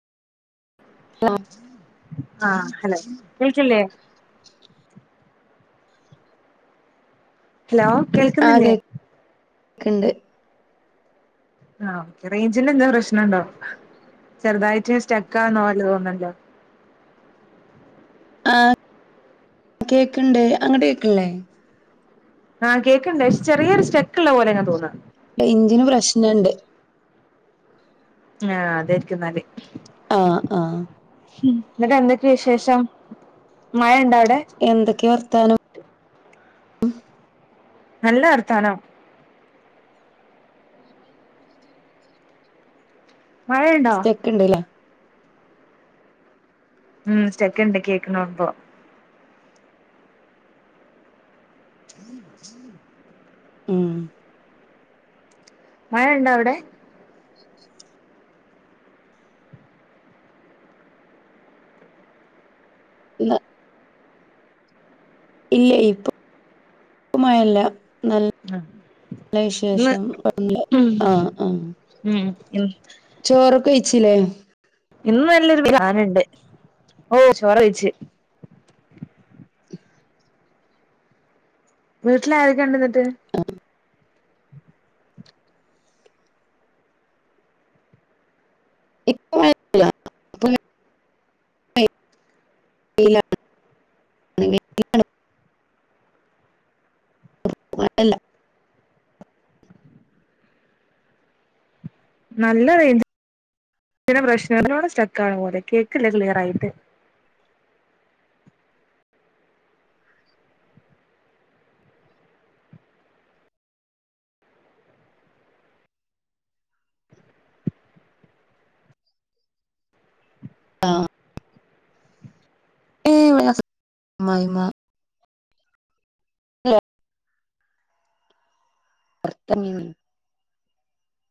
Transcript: ആഹ് hello കേൾക്കില്ലേ? Hello കേൾക്ന്നില്ലേ? ക്ക്ണ്ട്. ആഹ് ഓേക്കെ റേഞ്ചന് എന്താ പ്രശ്നണ്ടോ? ചെറുതായിട്ട് സ്റ്റെക്കാന്നോല തോന്നല്ലോ. ആഹ് കേക്കണ്ട് അങ്ങട്ട കേക്കല്ലേ? ആഹ് കേക്ക്ണ്ട ചെറിയൊരു സ്റ്റെക്ക് ഉള്ള പോലെ അങ്ങ് തോന്നാ. റേഞ്ചിന് പ്രശ്നണ്ട്. ആഹ് അതാരിക്കും എന്നാല് ആഹ് ആഹ് ന്നിട്ട് എന്തൊക്കെയ വിശേഷം മഴ ണ്ടാവ എന്തൊക്കെ വർത്താനം നല്ല വർതാനം. മഴയുണ്ടോ സ്റ്റക്ണ്ടല്ലേ. ഉം സ്റ്റെക്ക് ണ്ട് കേക്കുന്നോമ്പോ. ഉ ഉ [inaudible] ഉം മഴ ണ്ടോ അവിടെ? ഇ [unintelligible] ഇല്ല ഇപ്പപ്പമായല്ല. നല്ല ഉം നല്ല ഇന്ന് വിശേഷം വണ്ട് ഉം ആഹ [unintelligible] ആഹ ഉം ചോറൊക്കെവെയ്ച്ചിലെ? ഇന്ന് നല്ലൊരു പ്ലാനുണ്ട് ഓ ചോറ വയ്ച്ച്. വീട്ടില ആരൊക്കെ ഉണ്ട് ന്നിട്ട് ആഹ് ഇപ്പോ ആരൂല്ല്യ [unintelligible] [unintelligible] അല്ല നല്ല റേഞ്ച് ഇെ പ്രശ്നത്തിനോട് സ്റ്റെക്ക ആണ പോലെ കേക്കില്ല ക്ലിയർ ആയിട്ട് ആഹ ഏ [unintelligible] ആഹ [unintelligible]